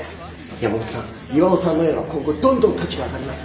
山本さん巌さんの絵は今後どんどん価値が上がります。